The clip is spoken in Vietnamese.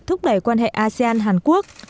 thúc đẩy quan hệ asean hàn quốc